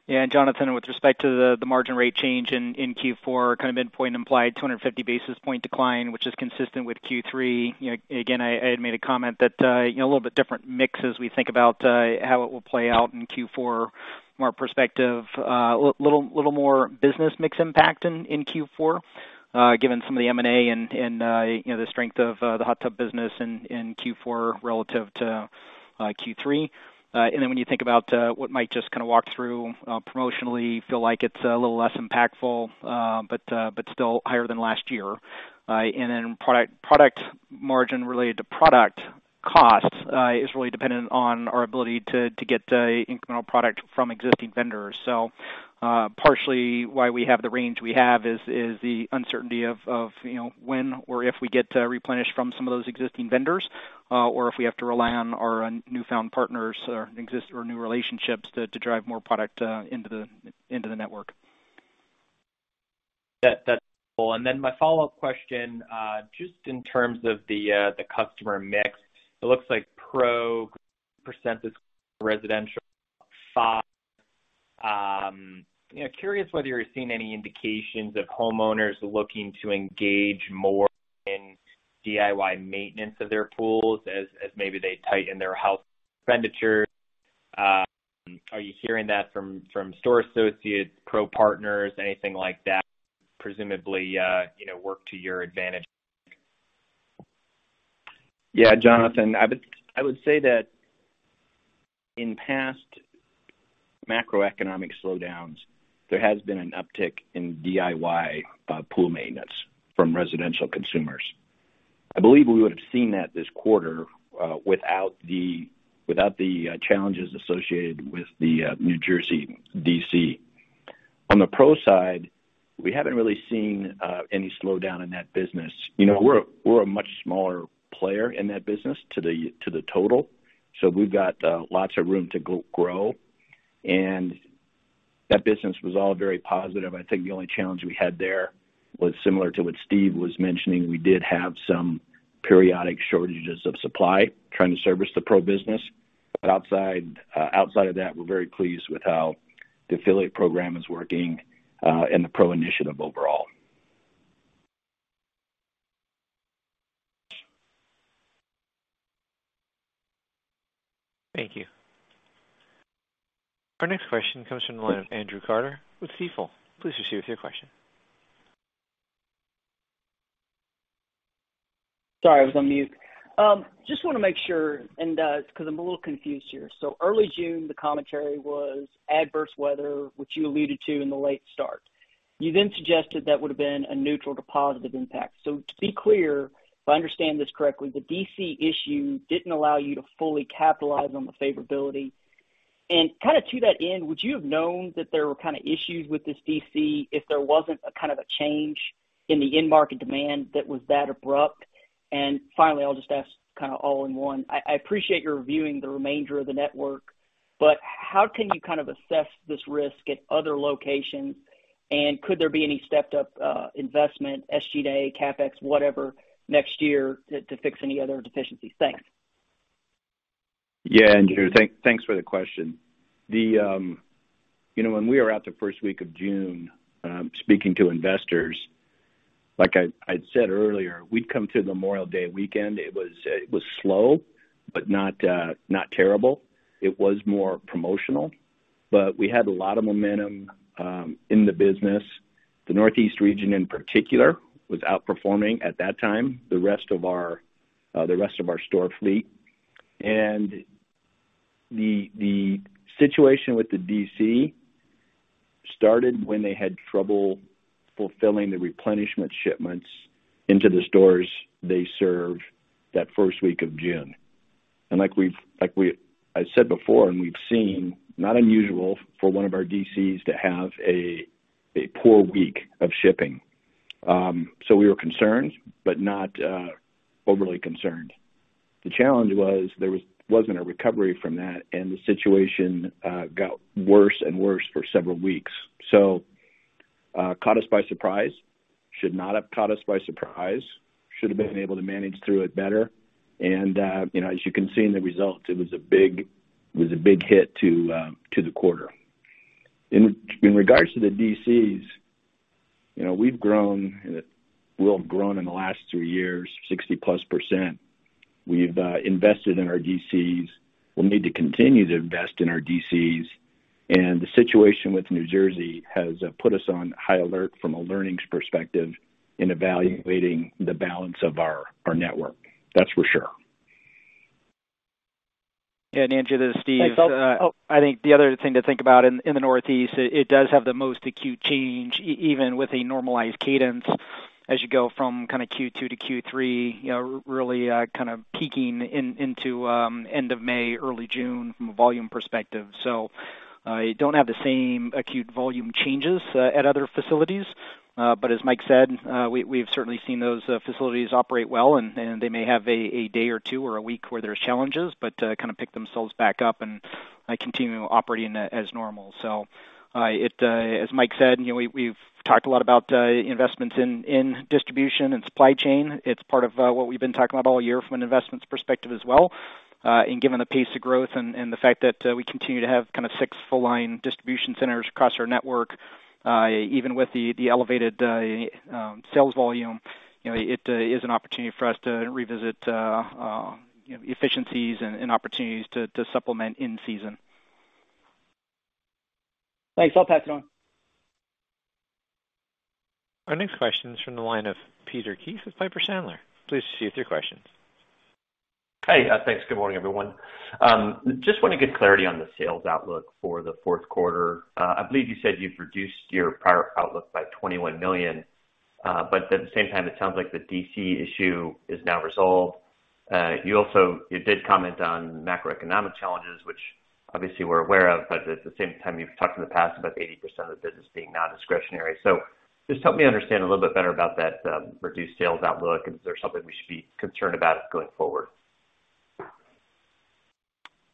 Jonathan, with respect to the margin rate change in Q4, kind of midpoint implied 250 basis point decline, which is consistent with Q3. You know, again, I had made a comment that, you know, a little bit different mix as we think about how it will play out in Q4, a little more business mix impact in Q4, given some of the M&A and, you know, the strength of the hot tub business in Q4 relative to Q3. When you think about what Mike just kind of walked through promotionally, feel like it's a little less impactful, but still higher than last year. Product margin related to product costs is really dependent on our ability to get the incremental product from existing vendors. Partially why we have the range we have is the uncertainty of you know when or if we get to replenish from some of those existing vendors or if we have to rely on our newfound partners or existing or new relationships to drive more product into the network. That's cool. Then my follow-up question, just in terms of the customer mix, it looks like Pro percentage residential. [inaudible] You know, curious whether you're seeing any indications of homeowners looking to engage more in DIY maintenance of their pools as maybe they tighten their household expenditures. Are you hearing that from store associates, Pro partners, anything like that, presumably, you know, work to your advantage? Yeah, Jonathan, I would say that in past macroeconomic slowdowns, there has been an uptick in DIY pool maintenance from residential consumers. I believe we would have seen that this quarter without the challenges associated with the New Jersey DC. On the pro side, we haven't really seen any slowdown in that business. You know, we're a much smaller player in that business to the total. So we've got lots of room to grow, and that business was all very positive. I think the only challenge we had there was similar to what Steve was mentioning. We did have some periodic shortages of supply trying to service the Pro business. Outside of that, we're very pleased with how the affiliate program is working and the pro initiative overall. Thank you. Our next question comes from the line of Andrew Carter with Stifel. Please proceed with your question. Sorry, I was on mute. Just wanna make sure, and, 'cause I'm a little confused here. Early June, the commentary was adverse weather, which you alluded to in the late start. You then suggested that would have been a neutral to positive impact. To be clear, if I understand this correctly, the DC issue didn't allow you to fully capitalize on the favorability. Kind of to that end, would you have known that there were kind of issues with this DC if there wasn't a kind of a change in the end market demand that was that abrupt? Finally, I'll just ask kind of all in one, I appreciate your reviewing the remainder of the network, but how can you kind of assess this risk at other locations? Could there be any stepped up investment, SG&A, CapEx, whatever, next year to fix any other deficiencies? Thanks. Yeah. Andrew, thanks for the question. You know, when we were out the first week of June, speaking to investors, like I'd said earlier, we'd come to Memorial Day weekend. It was slow, but not terrible. It was more promotional, but we had a lot of momentum in the business. The Northeast region, in particular, was outperforming at that time the rest of our store fleet. The situation with the DC started when they had trouble fulfilling the replenishment shipments into the stores they served that first week of June. Like I said before, and we've seen, it's not unusual for one of our DCs to have a poor week of shipping. So we were concerned, but not overly concerned. The challenge was there wasn't a recovery from that, and the situation got worse and worse for several weeks. Caught us by surprise. Should not have caught us by surprise. Should have been able to manage through it better. As you can see in the results, it was a big hit to the quarter. In regards to the DCs, we've grown in the last three years, 60%+. We've invested in our DCs. We'll need to continue to invest in our DCs. The situation with New Jersey has put us on high alert from a learnings perspective in evaluating the balance of our network. That's for sure. Yeah. Andrew, this is Steve. Thanks. Oh. I think the other thing to think about in the Northeast, it does have the most acute change even with a normalized cadence as you go from kind of Q2 to Q3, you know, really kind of peaking into end of May, early June from a volume perspective. You don't have the same acute volume changes at other facilities. But as Mike said, we've certainly seen those facilities operate well, and they may have a day or two or a week where there's challenges, but kind of pick themselves back up and continue operating as normal. As Mike said, you know, we've talked a lot about investments in distribution and supply chain. It's part of what we've been talking about all year from an investments perspective as well. Given the pace of growth and the fact that we continue to have kind of six full line distribution centers across our network, even with the elevated sales volume, you know, it is an opportunity for us to revisit efficiencies and opportunities to supplement in season. Thanks. I'll pass it on. Our next question is from the line of Peter Keith with Piper Sandler. Please proceed with your question. Hey, thanks. Good morning, everyone. Just want to get clarity on the sales outlook for the fourth quarter. I believe you said you've reduced your prior outlook by $21 million, but at the same time, it sounds like the DC issue is now resolved. You did comment on macroeconomic challenges, which obviously we're aware of, but at the same time, you've talked in the past about 80% of the business being non-discretionary. Just help me understand a little bit better about that reduced sales outlook. Is there something we should be concerned about going forward?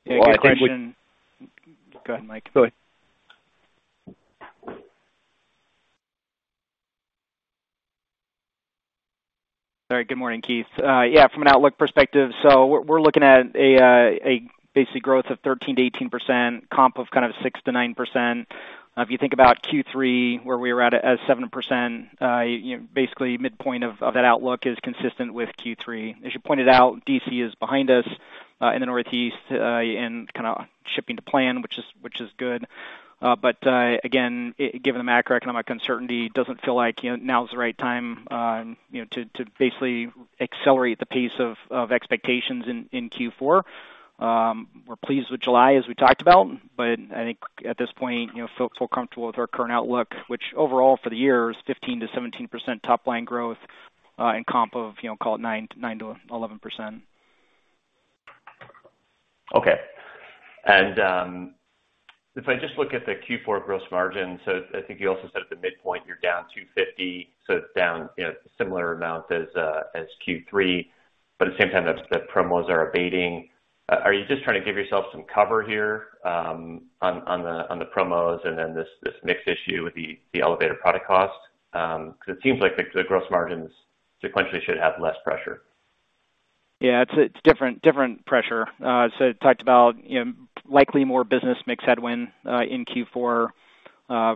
Yeah, good question. Well, I think we. Go ahead, Mike. Go ahead. All right. Good morning, Keith. From an outlook perspective, we're looking at a basic growth of 13%-18% comp of kind of 6%-9%. If you think about Q3 where we were at as 7%, you know, basically midpoint of that outlook is consistent with Q3. As you pointed out, DC is behind us in the Northeast and kind of shipping to plan, which is good. Again, given the macroeconomic uncertainty, doesn't feel like, you know, now's the right time to basically accelerate the pace of expectations in Q4. We're pleased with July as we talked about, but I think at this point, you know, feel comfortable with our current outlook, which overall for the year is 15%-17% top line growth, and comp of, you know, call it 9%-11%. Okay. If I just look at the Q4 gross margin, I think you also said at the midpoint you're down 250, so it's down, you know, similar amount as Q3, but at the same time, the promos are abating. Are you just trying to give yourself some cover here, on the promos and then this mix issue with the elevated product cost? Because it seems like the gross margins sequentially should have less pressure. Yeah, it's different pressure. Talked about, you know, likely more business mix headwind in Q4,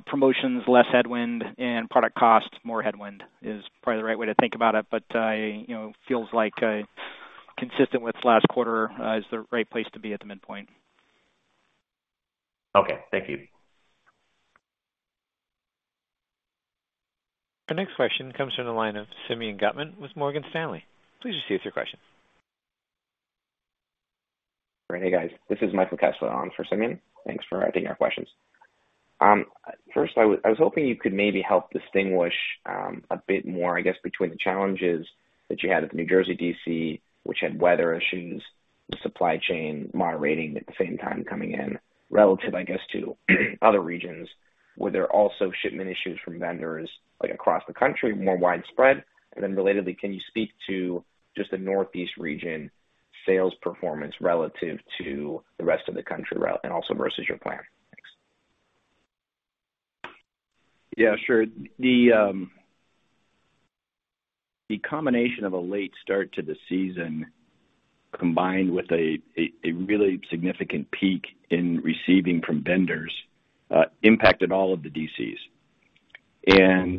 promotions less headwind and product costs more headwind is probably the right way to think about it. You know, feels like consistent with last quarter is the right place to be at the midpoint. Okay. Thank you. Our next question comes from the line of Simeon Gutman with Morgan Stanley. Please state your question. Great. Hey, guys. This is Michael Kessler on for Simeon. Thanks for taking our questions. First, I was hoping you could maybe help distinguish a bit more, I guess, between the challenges that you had at the New Jersey DC, which had weather issues, the supply chain moderating at the same time coming in relative, I guess, to other regions. Were there also shipment issues from vendors, like, across the country, more widespread? And then relatedly, can you speak to just the Northeast region sales performance relative to the rest of the country and also versus your plan? Thanks. Yeah, sure. The combination of a late start to the season combined with a really significant peak in receiving from vendors impacted all of the DCs.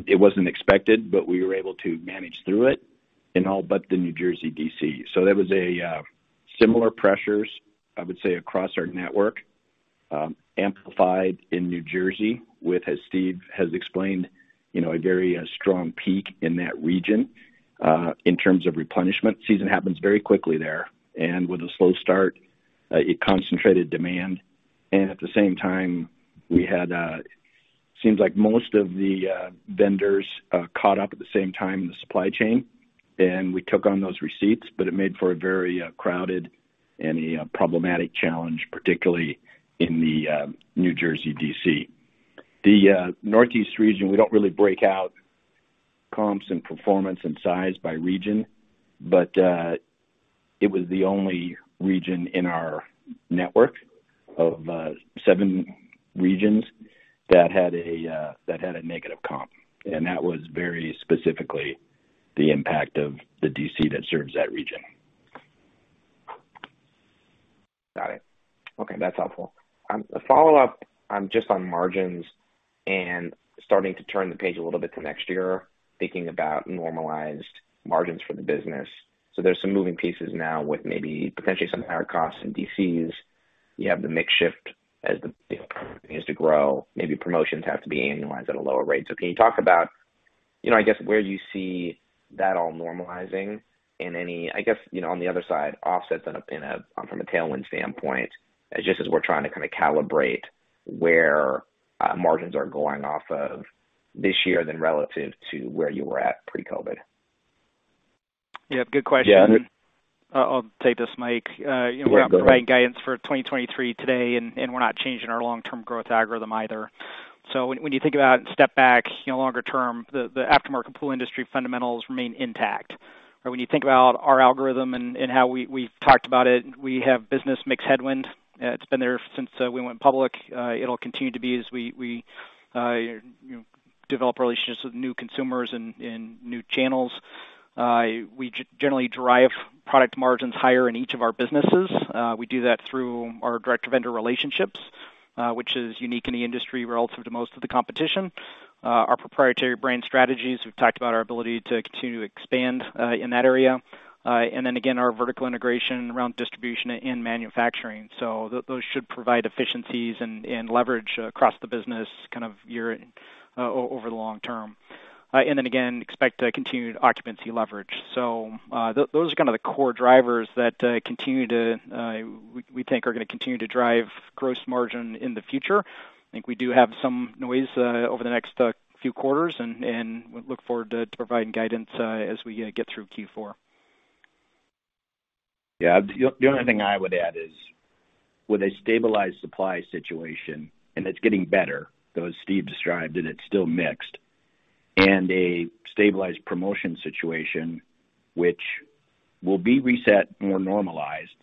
It wasn't expected, but we were able to manage through it in all but the New Jersey DC. There was a similar pressures, I would say, across our network, amplified in New Jersey with, as Steve has explained, you know, a very strong peak in that region in terms of replenishment. Season happens very quickly there, and with a slow start, it concentrated demand. At the same time we had seems like most of the vendors caught up at the same time in the supply chain, and we took on those receipts, but it made for a very crowded and a problematic challenge, particularly in the New Jersey DC. The Northeast region, we don't really break out comps and performance and size by region, but it was the only region in our network of seven regions that had a negative comp. That was very specifically the impact of the DC that serves that region. Got it. Okay, that's helpful. A follow-up, just on margins and starting to turn the page a little bit to next year, thinking about normalized margins for the business. There's some moving pieces now with maybe potentially some higher costs in DCs. You have the mix shift as the DIY continues to grow. Maybe promotions have to be annualized at a lower rate. Can you talk about, you know, I guess, where you see that all normalizing and any, I guess, you know, on the other side, offsets in a, from a tailwind standpoint, just as we're trying to kind of calibrate where, margins are going off of this year then relative to where you were at pre-COVID? Yeah. Good question. Yeah. I'll take this, Mike. Yeah, go ahead. You know, we're not providing guidance for 2023 today, and we're not changing our long-term growth algorithm either. When you think about and step back, you know, longer term, the aftermarket pool industry fundamentals remain intact. When you think about our algorithm and how we've talked about it, we have business mix headwind. It's been there since we went public. It'll continue to be as we you know develop relationships with new consumers and new channels. We generally derive product margins higher in each of our businesses. We do that through our direct vendor relationships, which is unique in the industry relative to most of the competition. Our proprietary brand strategies. We've talked about our ability to continue to expand in that area. Our vertical integration around distribution and manufacturing. Those should provide efficiencies and leverage across the business, kind of year in, over the long term. Then again, expect continued occupancy leverage. Those are kind of the core drivers that continue to we think are gonna continue to drive gross margin in the future. I think we do have some noise over the next few quarters and we look forward to providing guidance as we get through Q4. Yeah. The only thing I would add is with a stabilized supply situation, and it's getting better, though as Steve described it's still mixed, and a stabilized promotion situation, which will be reset more normalized,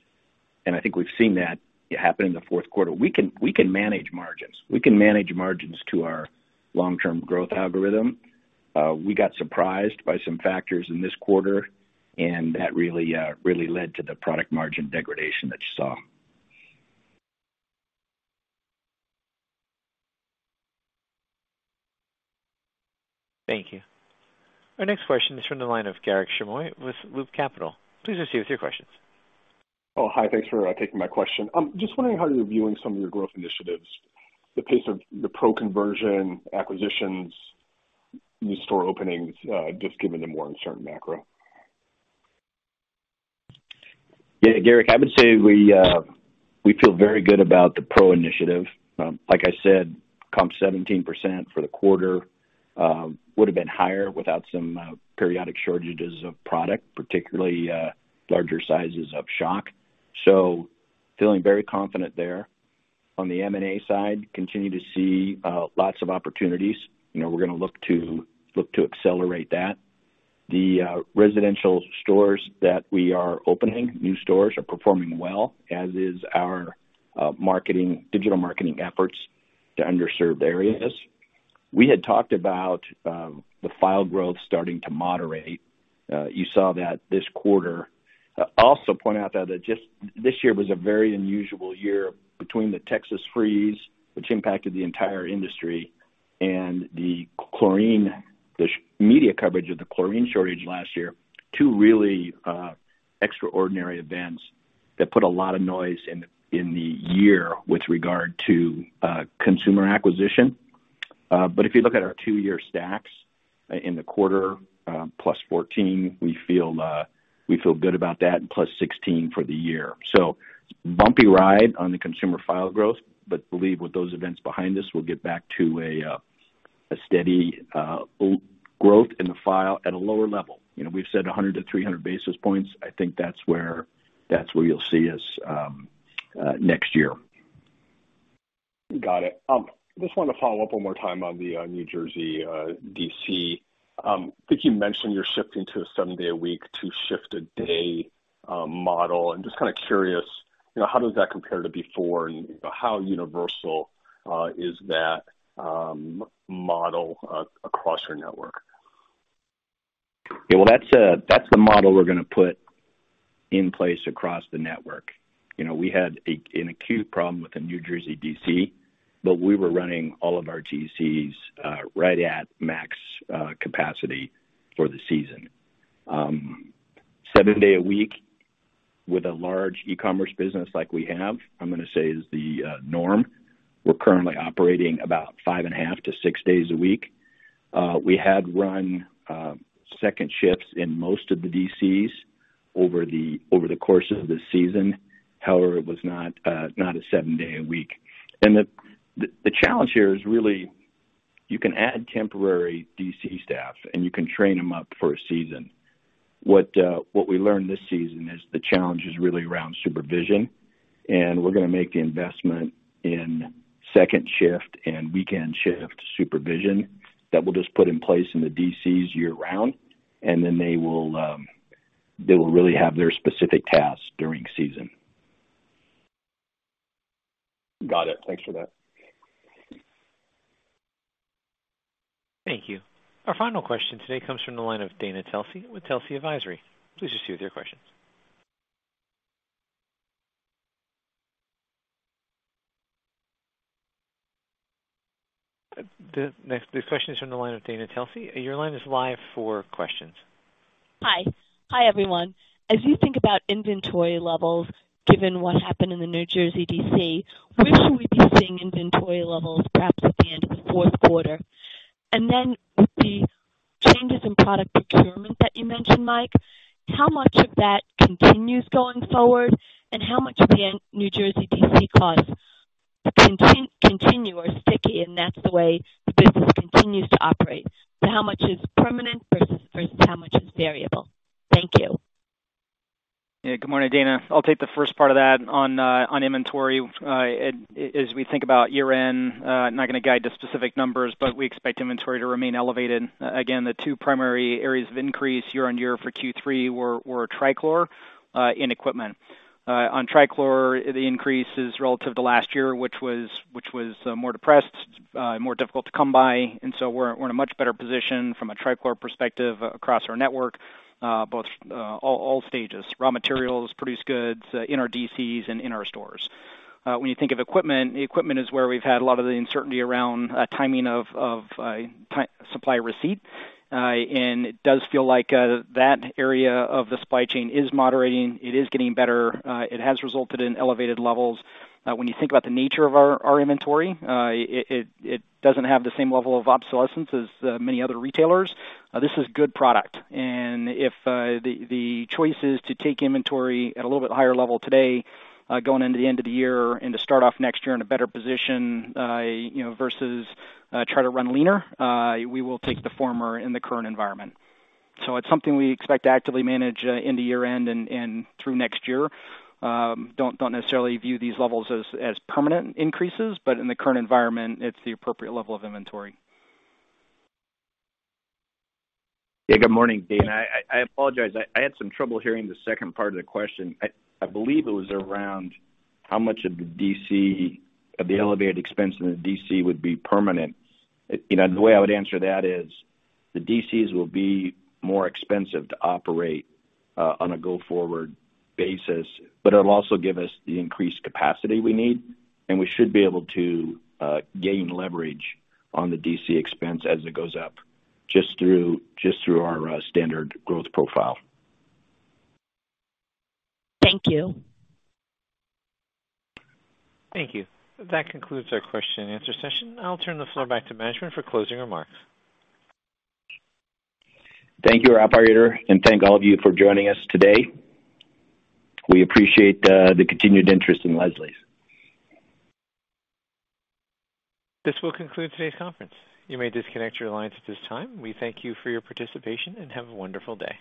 and I think we've seen that happen in the fourth quarter, we can manage margins. We can manage margins to our long-term growth algorithm. We got surprised by some factors in this quarter, and that really led to the product margin degradation that you saw. Thank you. Our next question is from the line of Garik Shmois with Loop Capital. Please proceed with your questions. Oh, hi. Thanks for taking my question. Just wondering how you're viewing some of your growth initiatives, the pace of the Pro conversion acquisitions, new store openings, just given the more uncertain macro. Yeah. Garik, I would say we feel very good about the Pro initiative. Like I said, comp 17% for the quarter, would have been higher without some periodic shortages of product, particularly larger sizes of shock. Feeling very confident there. On the M&A side, continue to see lots of opportunities. You know, we're gonna look to accelerate that. The residential stores that we are opening, new stores, are performing well, as is our marketing, digital marketing efforts to underserved areas. We had talked about the file growth starting to moderate. You saw that this quarter. Also point out, though, that just this year was a very unusual year between the Texas freeze, which impacted the entire industry, and the chlorine media coverage of the chlorine shortage last year. Two really extraordinary events that put a lot of noise in the year with regard to consumer acquisition. If you look at our two-year stacks in the quarter +14%, we feel good about that, and +16% for the year. Bumpy ride on the consumer file growth, but believe with those events behind us, we'll get back to a steady growth in the file at a lower level. You know, we've said 100-300 basis points. I think that's where you'll see us next year. Got it. Just wanted to follow up one more time on the New Jersey DC. I think you mentioned you're shifting to a seven day a week, two shifted day model. Just kind of curious, you know, how does that compare to before and how universal is that model across your network? Yeah. Well, that's the model we're gonna put in place across the network. You know, we had an acute problem with the New Jersey DC, but we were running all of our DCs right at max capacity for the season. Seven days a week with a large e-commerce business like we have, I'm gonna say is the norm. We're currently operating about 5.5-6 days a week. We had run second shifts in most of the DCs over the course of the season. However, it was not a seven days a week. The challenge here is really, you can add temporary DC staff, and you can train them up for a season. What we learned this season is the challenge is really around supervision, and we're gonna make the investment in second shift and weekend shift supervision that we'll just put in place in the DCs year-round, and then they will really have their specific tasks during season. Got it. Thanks for that. Thank you. Our final question today comes from the line of Dana Telsey with Telsey Advisory Group. Please proceed with your questions. This question is from the line of Dana Telsey. Your line is live for questions. Hi. Hi, everyone. As you think about inventory levels, given what happened in the New Jersey DC, where should we be seeing inventory levels perhaps at the end of the fourth quarter? Then with the changes in product procurement that you mentioned, Mike, how much of that continues going forward, and how much of the New Jersey DC costs continue or are sticky and that's the way the business continues to operate? How much is permanent versus how much is variable? Thank you. Yeah. Good morning, Dana. I'll take the first part of that on inventory. As we think about year-end, not gonna guide to specific numbers, but we expect inventory to remain elevated. Again, the two primary areas of increase year-over-year for Q3 were trichlor and equipment. On trichlor, the increase is relative to last year, which was more depressed, more difficult to come by, and so we're in a much better position from a trichlor perspective across our network, all stages, raw materials, produced goods in our DCs and in our stores. When you think of equipment, the equipment is where we've had a lot of the uncertainty around timing of supply receipt. It does feel like that area of the supply chain is moderating. It is getting better. It has resulted in elevated levels. When you think about the nature of our inventory, it doesn't have the same level of obsolescence as many other retailers. This is good product. If the choice is to take inventory at a little bit higher level today, going into the end of the year and to start off next year in a better position, you know, versus try to run leaner, we will take the former in the current environment. It's something we expect to actively manage into year-end and through next year. Don't necessarily view these levels as permanent increases, but in the current environment, it's the appropriate level of inventory. Yeah. Good morning, Dana. I apologize. I had some trouble hearing the second part of the question. I believe it was around how much of the DC, of the elevated expense in the DC would be permanent. You know, the way I would answer that is, the DCs will be more expensive to operate on a go-forward basis, but it'll also give us the increased capacity we need, and we should be able to gain leverage on the DC expense as it goes up just through our standard growth profile. Thank you. Thank you. That concludes our question and answer session. I'll turn the floor back to management for closing remarks. Thank you, operator, and thank all of you for joining us today. We appreciate the continued interest in Leslie's. This will conclude today's conference. You may disconnect your lines at this time. We thank you for your participation, and have a wonderful day.